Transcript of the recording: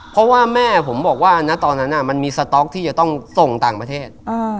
เพราะว่าแม่ผมบอกว่าณตอนนั้นมันมีสต๊อกที่จะต้องส่งต่างประเทศ